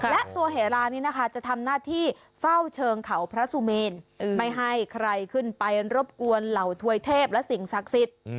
และตัวเหลานี้นะคะจะทำหน้าที่เฝ้าเชิงเขาพระสุเมนไม่ให้ใครขึ้นไปรบกวนเหล่าถวยเทพและสิ่งศักดิ์สิทธิ์